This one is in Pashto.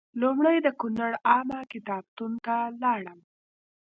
لومړی د کونړ عامه کتابتون ته لاړم.